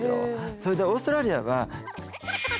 それでオーストラリアは。